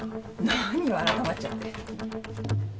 何よ改まっちゃって。